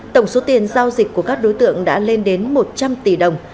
tổng số tiền giao dịch của các đối tượng đã lên đến một trăm linh tỷ đồng